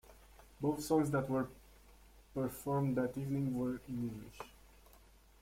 Both songs that were performed that evening were in English.